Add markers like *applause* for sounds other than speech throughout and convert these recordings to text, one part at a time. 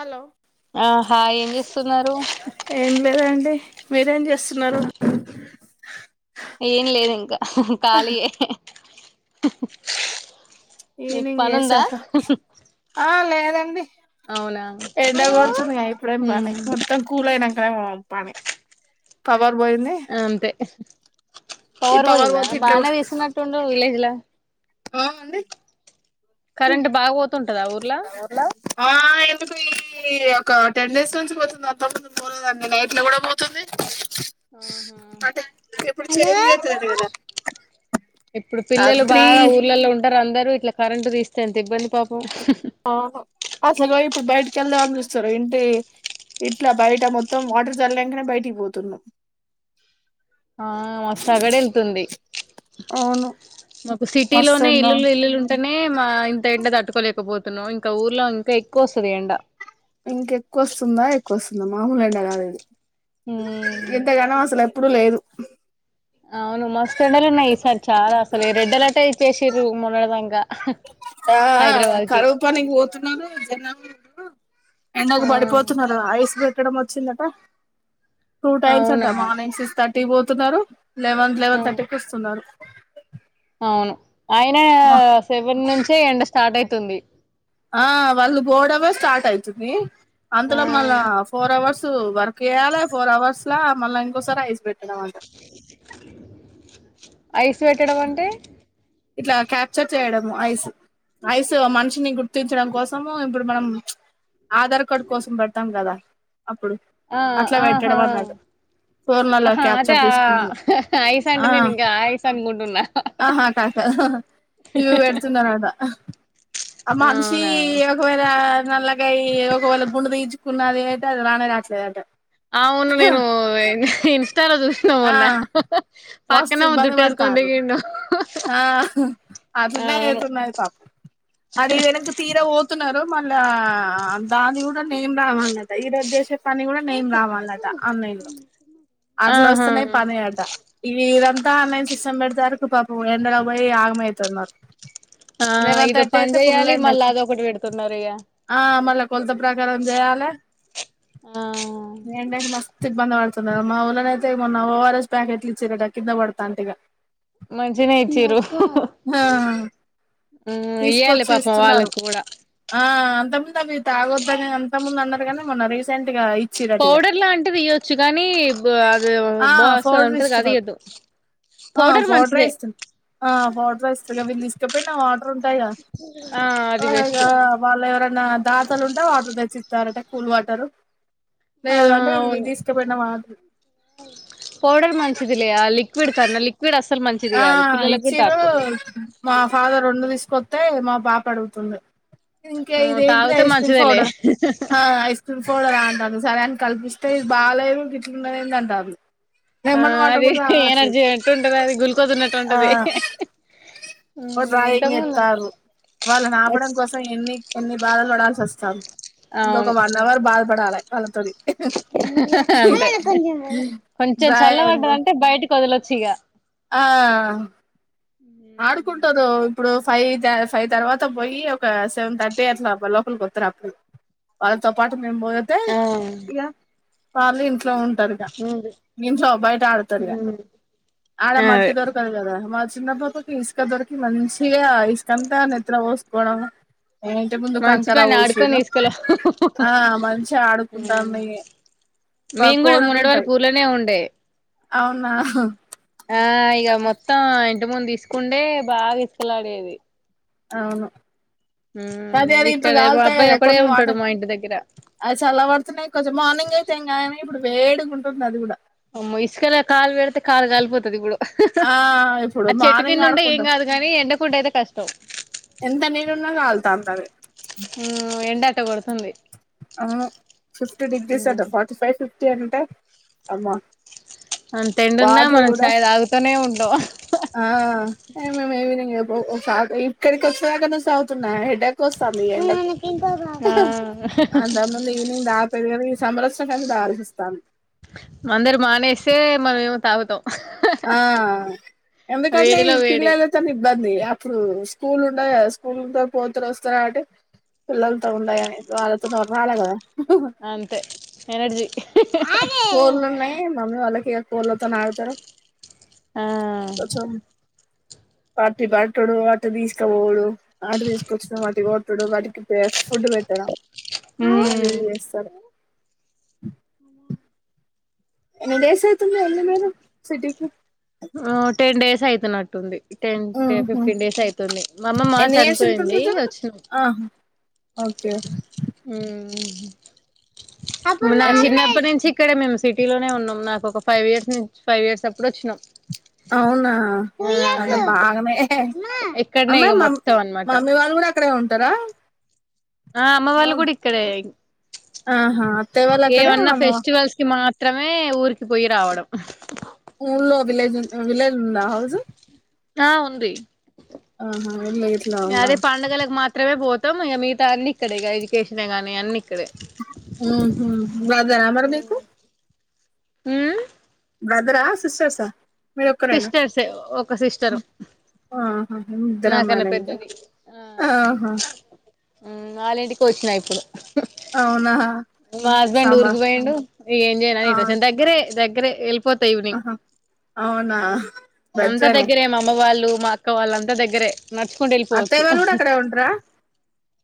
Hello ఆహా ఏం చేస్తున్నారు ఎం లేదండి మీరేం చేస్తున్నారు ఏం లేదు ఇంక కాళీయే ఈవినింగ్ చేశార ఆ లేదండి అవునా ఎండ కొడుతుంది గా ఇప్పుడేం ఉమ్ పని మొత్తం కూల్ అయినాకనే పని పవర్ పోయింది అంతే ఈ పవర్ పోయింద పోతే ఇంట్లో బానే తీస్తున్నట్టుండు విలేజ్ల ఆ అండి కరెంట్ బాగ పోతుంటద ఊర్ల *unintelligible* ఆ ఎందుకు ఇ ఒక టెన్ డేస్ నుంచి పోతుంది ఆ పక్క పోలేదండి నైట్ లో కూడ పోతుంది అంటే ఇప్పుడు హలో చేంజ్ *unintelligible* కద ఇప్పుడు పిల్లలు బాగా ఊర్లలో ఉ *unintelligible* అందరూ ఇట్ల కరెంట్ తీస్తే ఎంత ఇబ్బంది పాపం అవును అసలు ఇప్పుడు బయటికి వెళ్దమని *unintelligible* ఇంటి ఇట్ల బయట మొత్తం వాటర్ చల్లే *unintelligible* బయటికి పోతున్న ఆ మస్తు *unintelligible* వెళ్తుంది అవును మాకు మస్తు సిటీలోనే ఎండ ఇల్లులు ఇల్లులు అనే మా ఇంత ఎండ తట్టుకోలేకపోతున్నాం ఇంకా ఊర్లో ఇంక ఎక్కువ వస్తది ఎండ ఇంకెక్కువ వస్తుంద ఎక్కువ వస్తుంద మామూలే *unintelligible* కాదు ఇది ఉమ్ ఇంతగనం అసలు ఎ ఎప్పుడు లేదు అవును మస్తు ఎండలు ఉన్నాయి సారి చాల అసలు రెడ్ అలర్ట్ ఇచ్చేసిరు మొన్నడదాంక ఆ ఆ కరవు పనికి పోతున్నాను *unintelligible* ఎండకు ఆ పడిపోతున్నారు ఐస్ పెట్టడం వచ్చిందట టూ టైమ్స్ అవునా అంట మార్నింగ్ సిక్స్ థర్టీ పోతున్నారు లెవెన్ ఆ లెవెన్ థర్టీకి వస్తున్నారు అవును ఆయనే *unintelligible* సెవెన్ నుంచే ఎండ స్టార్ట్ అయితుంది ఆ వాళ్ళు పోవడమే స్టార్ట్ అయితుంది ఆ అంతలోపు మళ్ళ ఫోర్ అవర్స్ వర్క్ చేయ్యాలి ఫోర్ అవర్స్ ల మళ్ళీ ఇంకోసారి ఐస్ పెట్టనాం అ ఐస్ పెట్టడం అంటే ఇట్ల క్యాప్చర్ చేయడము ఐస్ ఐస్ మనిషిని గుర్తించడం కోసము ఇప్పుడు మనం ఆధార్ కార్డు కోసం పెడతాం కద అప్పుడు ఆ అట్లా ఆహా పెట్టడం అన్నట్టు ఫోన్లలో ఆహా అదే క్యాప్చర్ తీసుకుంటున్నా ఆ ఐస్ అంటే నేను ఇంక ఆ ఐస్ అనుకుంటున్న ఆహా క *unintelligible* ఇవి పెడుతుందినమాట ఆ మనిషి అవునా ఒకవేళ నల్లగ ఒకవేళ *unintelligible* దించుకున్నది అయితే అది రానే రావట్లేదట అవును నేను ఇన్స్టాలో చూస్ ఆ *unintelligible* మస్తు పక్కనే ఇబ్బంది పడతారు *unintelligible* ఆ అట్లనే అయితునాయి *unintelligible* అది ఈ వెనక తీర పోతున్నారు మళ్ళా దాని కూడా నేం రావన్నట ఈ రజ చేసే పని కూడా నేం రావాలట ఆన్లైన్ లో అట్లో ఆహా వస్తున్నాయి పని అట ఇ ఇదంతా ఆన్లైన్ సిస్టమ్ పెడతారు పాప ఎండల పోయి ఆగమవుతున్నారు ఆ లెవెన్ ఇదో థర్టీ పని అయితే ఫుల్ చెయ్యాలి ఎండ్ మళ్ళీ అవుతుంది అదొకటి పెడుతున్నారు ఇగా ఆ మళ్ళీ కొలత ప్రకారం చేయాలా ఆ ఇబ్బంది పడుతుంది కదా మా ఊళ్ళన అైతే మొన్న ఓఆర్ఎస్ ప్యాకెట్లు ఇచ్చారు కింద పడతాంటే ఇక మంచిన ఇచ్చరు ఇవయ్యాలి తీసుకొచ్చి పాపం ఇస్తున్నారు వాళ్ళకి కూడా ఆ అంత ముందు అవి తాగొద్దాని అంత ముందు అన్నారు కానీ మొన్న రీసెంట్ గా ఇచ్చిరట ఇగ పౌడర్ లాంటిది ఇయ్యొచ్చు కానీ అది ఆ బాస పౌడర్ ఉంటది అది ఇస్తున్నారు అదు ఆ పౌడర్ పౌడరే మంచిదే ఇస్తున్నారు ఆ వాటర్ వస్తు వీళ్ళు తీసుకపోయినా వాటర్ ఉంటాయా ఆ అది బెస్ట్ వాళ్ళు ఎవరైనా దాతలు ఉంటే వాటర్ తెచ్చిస్తారట కూల్ వాటర్ ఆ లేదు అంటే విల్ అవును తీసుకుపోయిన మా పౌడర్ మంచించిది లేక్విడ్ కన్నా లిక్విడ్ అసలు మంచిది ఆ కాదు పిల్లలకుకి కూడా ఇచ్చిరు తప్ప వద్దు మా ఫాదర్ రెండు తీసుకొస్తతే మా పాప అడుగుతుంది ఇంక ఆ ఇదేంటిది తాగితే ఐస్ క్రీమ్ మంచిదేలే పౌడర్ ఆ ఐస్ పోడరా అంటంది సరే అని కల్పిస్తే ఇది బాగాలేదు పిట్నేందింట అంటది ఆ అది ఎనర్జీ ఎట్టు ఉంటది అది గ్లూకోజ్ ఉన్నట్టు ఆ ఉంటది డ్రాయింగ్ ఇంతకు ముందు ఉండే ఇస్తారు వాళ్ళ నాపడం కోసం సో ఎన్ని ఎన్ని బాధలు పడాల్సి వస్తాదీ అవును ఇంకొ వన్ అవర్ బాధపడాలి వాళ్ళతోని ఆహా కొంచెం చల్ల డ్రాయింగ్ పడ్డదాంటే ట బయటికి వదలొచ్చు ఇగ ఆ ఉ ఆడుకుంటారు ఇప్పుడు ఫైవ్ ఆ ఫైవ్ తర్వాత పోయి ఒక సెవెన్ థర్టీ అట్లా లోపలికి వచ్చ ఇ అప్పుడు వాళ్ళతో పాటు మేము పోగితే ఆ ఇక వాళ్ళు ఇంట్లో ఉంటరు ఉంది ఇంట్లో బయట ఆడుతరు ఇగ ఆడ అదే మట్టి దొరుకు కదా మా చిన్న ప ఇసుక దొరికి మంచిగా ఇసుకంతా నెత్తిల పోసుకోవడం ఇంటి ముందు మంచి కంకారా పని ఆడుకొని పోషిర్రు తీసుకెళ్ళ ఆ మంచిగా ఆదుకుంటుంది మాక్కోళ్లుంటాయి ఇట్లనే ఉండే అవునా ఆ ఇగా మొత్తం ఇంటి ముందు ఇసుకుంటే బాగా ఇసుకలాడేది అవును అదే అది ఇప్పుడు ఇక్కడ మా అబ్బాయి ఒకడే ఉంటాడు మా ఇంటి దగ్గర అది చల పడుతున్నయి కొంచెం మార్నింగ్ అయితే ఏం కాదు గని ఇప్పుడు వేడిగా ఉంటుంది అది కూడా అమ్మో ఇసుకల కాలు పెడితే కాలు కాలిపోతది ఇప్పుడు హహ ఆ ఇప్పుడు ఆ చెట్టు మార్నింగ్ కింద ఉంటె ఏం ఆడుకుంటాం కాదు కాని ఎండపూట అయితే కష్టం ఎంత నీడున్న కళ్తద్ని అది ఉ ఎండట కొడుతుంది అవును ఫిఫ్టీ డిగ్రీస్ ఆట ఫార్టీ ఫైవ్ ఫిఫ్టీ అంటే అమ్మ అంత ఎండున్న మనం చాయ్ తాగుతనే ఉంటాం ఆ ఏ ఇక్కడికి వస్తినాకన్నా సాగుతున్నా హ వొస్తంది ఈ ఎండకు ఆ అంతకుముందు ఈవినింగ్ తగకపోయేది గని ఈ సమ్మర్ వచ్చిన గాని గాలోస్తంది అందరు మానేస్తే మనమేమో తాగుతాం ఆ ఎందుకండి వేడిలో వేడి పిల్లలు తని ఇబ్బంది అప్పుడు స్కూల్ ఉండయి గద స్కూల్ పోతారు వస్తారా కాబట్టి పిల్లలతో ఉండాయని వాళ్ళతోనీ మొహమాటం కదా అంతే ఎనర్జీ కోల్లున్నాయి మమ్మీ వాళ్ళకి కోళ్లతోనే ఆగుతారు చ చ్ పాటినీ పటడు అటు తీసుకపోవుడు ఆటో తీసుకొచ్చిన వాటిని కొట్డుడు వాటికి ఫుడ్ పెట్టడం అవి ఇవి మ్మ్ చేస్తారు ఎన్ని డేస్ అవుతుంది వెళ్ళి మరీ సిటీకి ఆ టెన్ డేస్ అయితునట్టుంది టెన్ ఉహు ఫిఫ్టీన్ డేస్ అయితుంది మా అమ్మమ్మ ఎన్ని ఇయర్స్ ఉంటుంది చనిపోయింది ఇతను వచ్చినా ఆహా ఓకే ఉమ్ నా ఎన్ని చిన్నప్పటి నుంచి ఇక్కడ మేము సిటీలోనే ఉన్నాం నాకు ఒక ఫైవ్ ఇయర్స్ నుంచి ఫైవ్ ఇయర్స్ అప్పుడు వచ్చినా అవునా అంటే బాగమే ఇక్కడనే అమా ఇక మ మొత్తం అనమాట మమ్మీ వాళ్ళు కూడా ఇక్కడే ఉంటారా ఆ అమ్మ వాళ్ళు కూడా ఇక్కడే ఆహా అత్తయ్య వాళ్ళు అక్కడ ఏవన్నా అమ్మ ఫెస్టివల్స్ కి మాత్రమే ఊరికి పోయి రావడం ఊల్లో విలేజ్ ఉ విలేజ్ ఉందా హౌజు ఆ ఉంది ఆహా ఇల్లు ఇట్లా ఉందా అదే పండుగలకు మాత్ త్రమే పోతాం ఈ మిగాతవన్ని ఇక్కడే ఎడుకేషనే గానీ అన్ని ఇక్కడే ఉహు బ్రదరా మరి మీకు ఉ బ్రదరా, సిస్టర్సా మీరు ఒక్కరేనా సిస్టర్సే ఒక సిస్టరు ఆహా నాకన్నా ముద్రామాల ఇంక పెద్దది ఆహా ఉమ్ వాళ్ళింటికే వచ్చినా ఇప్పుడు అవునా మా హస్బెండ్ సాంబా ఊరికి పోయిండు ఇ ఏం చేయాల అని ఆ ఇటు వచ్చా దగ్గరే దగ్గరే వెళ్ళిపోతా ఇవి అవునా అంత బెటరేలే దగ్గరే మా అమ్మ వాళ్ళు మా అక్క వాళ్ళు అంత దగ్గరే నడుచుకుంటూ వెళ్ళిపోవచ్చు అత్తయ్య వాళ్ళు కూడా అక్కడే ఉంటారా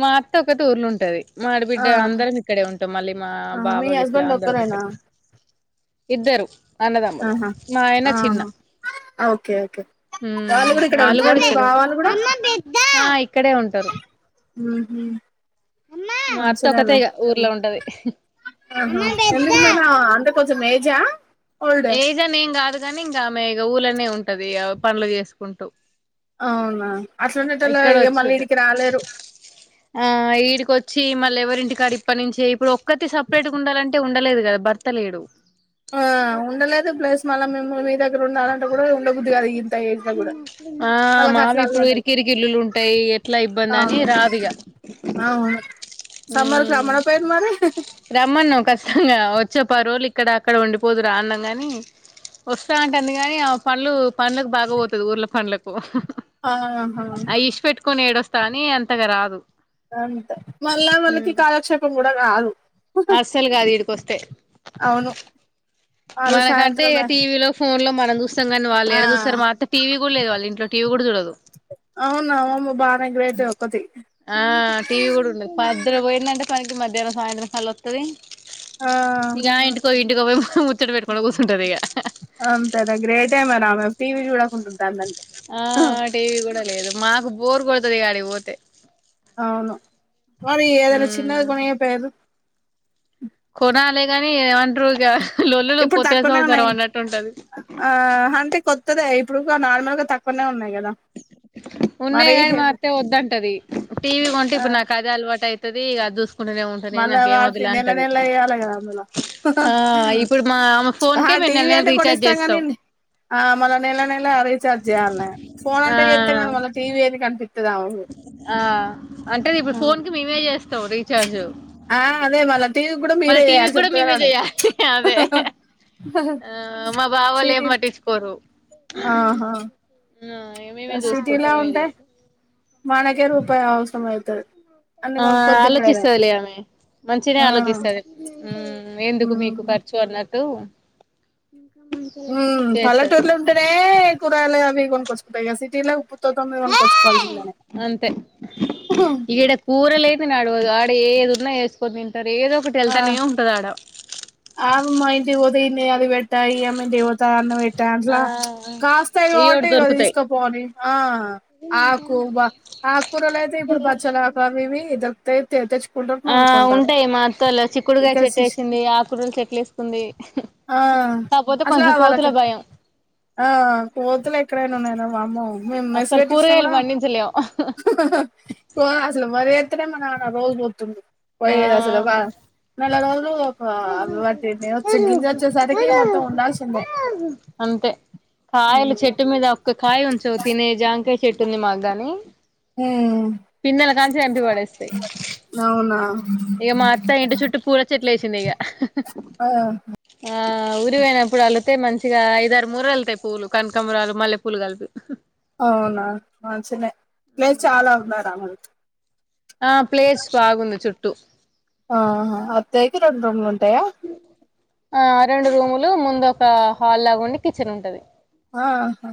మా అత్త ఒకటి ఊర్లో ఉంటది మా ఆడి ఆ బిడ్డ అందరం ఇక్కడే ఉంటాం మళ్ళీ మా ఆ, మీ బావ గిట్లా హస్బెండ్ అందరం ఒక్కరేనా ఇక్కడే ఇద్దరు అన్నదమ్ములు ఆహా మా ఆయన చిన్న ఆహా ఓకే ఓకే ఉమ్ వాళ్ళు కూడా ఇక్కడ ఆళ్ళు ఉంటారా కూడా మీ బావా వాళ్ళు కూడా ఇక్కడే ఆ ఇక్కడే ఉంటారు ఉహు మా అవును అత్త ఒకతే సరేలే ఇగ ఊర్లో ఉంటది ఆహా ఎందుకు మామ అంత కొంచెం ఏజా ఓల్డ్ ఏజ్ అని ఏం కాదు గానీ ఇంకా ఆమె ఇక ఊళ్ళనే ఉంటది అవు పనులు చేసుకుంటూ అవునా అట్లా ఉండేటోళ్లు ఇక్కడ ఏ మళ్ళీ వచ్చుంటది ఇడికి రాలేరు ఆ ఈడికొచ్చి మళ్ళీ ఎవరింటి కాడ ఇప్పటి నుంచే ఇప్పుడు ఒక్కత్తి సపరేట్గా ఉండాలంటే ఉండలేదు కదా భర్త లేడు ఆ ఉండలేదు ప్లస్ మళ్ళీ మేము మీ దగ్గర ఉండాలంటే కూడా ఉండబుద్ధి కాదు ఇంత ఇంట్లొ గూడా ఆ మావి ఇప్పుడు ఇరికిరికిల్లులు ఉంటాయి ఎట్లా ఇబ్బంది అని అవును రాదిగ అవును సమ్మర సమ్మ అయిపోయింది మరి రమ్మన్నాం ఖష్టంగా వచ్చి ఒ పది రోజులు ఇక్కడ అక్కడ ఉండిపోదు రా అన్నాం గాని వస్తా అంటాంది గాని ఆమె పన్లు పన్ల కు బాగా పోతది ఊర్ల పన్లకు ఆహా అయి ఇష్డిపెట్టుకొని ఏడొస్తా అని అంతగా రాదు అంతే మళ్ళా వొళ్ళకి కాలక్షేపం కూడా కాదు అస్సలు కాదు ఈడకొస్తే అవును వాళ్ళు మనకంటే సాయంత్రమే టీవీ లో ఫోన్ లో మనం చూస్తాం కానీ వాళ్ళు ఆ ఎడ చూస్తారు మాత్రం టీవ గూడలేదు వాళ్ళ ఇంట్లోటీవీ కూడా చూడదు అవును అమ్మమ్మ బానే గ్రేట్ ఒక్కత్తి ఆ టీవీ గూడా ఉండదు పొద్దు న పోయిందంటే పనికి మధ్యాహ్నం సాయంత్రం క అలా స్తుంది ఆ ఇక ఆ ఇంటికో ఈ ఇంటికో పోయి ముచ్చట పెట్టుకుంట కూర్సుంటది ఇక అంతే గ గ్రేటే మరి ఆమె టీవీ చూడకుండా ఉంటాంది ఆ టీవీ కూడా లేదు మాకు బోర్ కొడతది ఆడికి పోతే అవును మరి ఏదైనా ఉమ్ చిన్నది కొనియపోయార్రు కొనాలేగాని ఏమంటారు ఇక ల్లొల్లులు ఇప్పుడు తక్కువనే పొత్తేసంసారం ఉన్నాయి అన్నట్టు ఉంటది ఆ అంటే కొత్తదే ఇప్పుడు ఇక నార్మల్గా తక్కువనే ఉన్నాయి కదా ఉన్నాయి మరి గాని మా హెవీ అత్తే వద్దంటది టీవీ కొంటే ఆ ఇప్పుడు నాకు అది ది అలవాటు అయితది అది చూసుకుంటెనేమో మళ్ళ వాడితే నెల నెలా ఏయలా కదా అందులో ఆ ఇప్పుడు మా ఆమె ఫోన్ ఆ కే మేము నెల టీవీ నెల అంటే కొని రీఛార్జ్ ఇస్తాం కాని చేస్తాం ఆ మళ్ళ నెల నెల రీచార్జ్ చేయాలన్నె ఫోన్ ఆ అంటే చెత్తాం కానీ మళ టీవీ ఎందుకు అనిపి ఆ అంటే ఇప్పుడు ఫోన్ కి మేమే చేస్తాం రీచార్జ్ ఆ అదే మళ్ళా టీవీ గ్గూడా మీరే ఏయాలె కూడా మేమే చెప్తున్నారు చెయాలి అదే ఆ మా బావోళ్ళ ఏం పట్టిచ్చుకోరు ఆ హా ఆ మేమే చూసుకుంటాం మే చేసుకుం మనకే రూపాయి అవసరం అయితది అన్ని ఆ కొనుక్కొని తినుడేనా ఆలోచిస్తదిలె ఆమె మంచినె ఆ ఆలోచిస్తంది ఎందుకు మీకు ఉమ్ ఖర్చ ర్చు అన్నట్టు చెస్తది లే కూరగాయలు అవి కొనుకొచ్చుకుంట ఇగ సిటీ లో మొత్ మొత్తం అన్ని కొనుక్కోచ్చు కోవలసిందెనె కూరలే తినడు ఇగ ఆడ ఏదున్నా ఏసుకొని తింటారు ఏదో ఒకటి వెళ్తానే ఉంటుంది ఆడ ఆమ్మ ఇంటి కి పోతే ఈడన్నె అవి పెట్ట ఈ అమ్మ ఇంటికి పోతె అన్న ఆ అంట్లా కాస్తయి ఏయోటి కాబట్టి ఇవొ దొరుకుతాయి తీసకపో ఆని. ఆ ఆకు బ ఆకుకూరలు అయితే ఇప్పుడు బచ్చలాకవి ఇవి ధోరుకుతయి తెచ్చుకుంటారు ఆ నూరుకుంటారు ఉంటయి మా అత్తలో చిక్కుడుకాయ ఇక్కడ చెట్టె శిష్ సింది ఆక్కూరలు చెట్లు వేస్కుంది ఆ కాపోతే అట్లా కొంచెం కోతుల వాళ్ళకి భయం ఆ కోతులు ఎక్కడైనా ఉన్నాయిర వామ్మ మేము మెస్ అస్సలు పెట్టిచ్చిన కూరగాయలు కూడా పండించలేం ఆ అసలు మరి చెప్తునెఉన్నవ్ మనం ఏవన్న రోజు పోతుండు ఆ పొయ్యెది అసలు వా నెలారోజులు పా వాటిని వచ్చే గింజ వచ్చేసరికి మొత్తం ఉండాల్సిందే అంతే కాయలు చెట్టు మీద ఒక్క కాయ ఉంచవు. తినే జాంకాయ చెట్టుంది మాకు గాని హ్మ్మ్ పిందెలు కాసి ఎంపి పడేస్తాయ్ అవునా ఇగ మా అత్తా ఇంటి చుట్టూ పూల చెట్లేసిందిగా ఆ ఆ ఊరు పోయినప్పుడల్లితే మంచిగా ఐదారు ముూర వెళ్తాయి పూలు కనకాంబరాలు, మల్లె పూలు కలిపి అవునా మంచినే లే చాలా ఉన్నారు అమ ఆ ప్లేస్ బాగుంది చుట్టూ ఆహా అత్తయ కి రెండు రూమ్లుంటాయా ఆ రెండు రూములు ముందొక హాల్ లాగుండి కిచెన్ ఉంటది. ఆ హా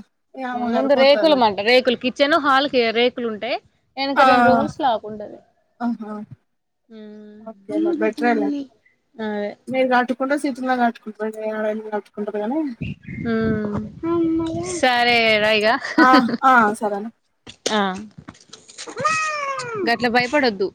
ముందు రేకులు అంట రేకులు కిచెన్ హాల్ కి రేకులుంటాయ్ ఆ వెనుక రెండూ రూమ్లు స్లాప్ వుంటది ఆహా ఆ ఓకేలే బెటరేలే అదే మీరు దట్టుకుంటారు సీతులా కట్టుకుంటారు మీ ఆడ కట్టుకుంటారు గానీ మ్మ్ సరే రైగా ఆహ్ ఆ సరేన ఆ గట్లా భయపడొద్దు